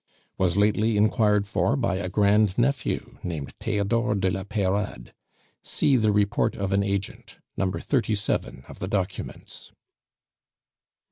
"Was lately inquired for by a grand nephew named Theodore de la Peyrade. (See the report of an agent, No. 37 of the Documents.)"